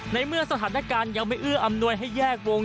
ในเมื่อสถานการณ์ยังไม่เอื้ออำนวยให้แยกวง